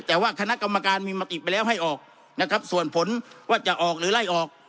แต่ว่าคณะกรรมการมีมติไปแล้วให้ออกนะครับส่วนผลว่าจะออกหรือไล่ออก